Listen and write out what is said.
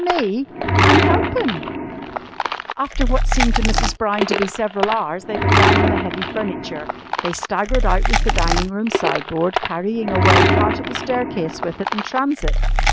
"Me? I'm helpin'!" After what seemed to Mrs. Brown to be several hours they began on the heavy furniture. They staggered out with the dining room sideboard, carrying away part of the staircase with it in transit.